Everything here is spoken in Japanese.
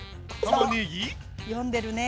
読んでるね。